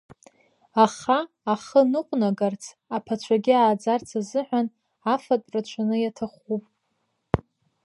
Аха ахы ныҟәнагарц, аԥацәагьы ааӡарц азыҳәан афатә рацәаны иаҭахуп.